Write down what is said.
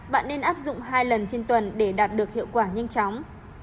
bạn nên áp dụng hai lần trên tuần để đạt được hiệu quả nhanh chóng